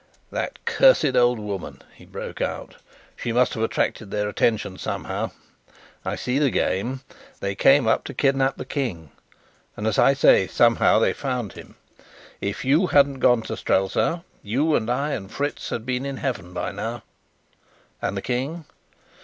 "That cursed old woman!" he broke out. "She must have attracted their attention somehow. I see the game. They came up to kidnap the King, and as I say somehow they found him. If you hadn't gone to Strelsau, you and I and Fritz had been in heaven by now!" "And the King?"